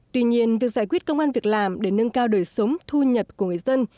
tuy nhiên việc giải quyết công an việc làm để nâng cao đời sống thu nhập của người dân